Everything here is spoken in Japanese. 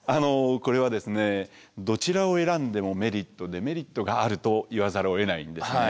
これはどちらを選んでもメリットデメリットがあると言わざるをえないんですね。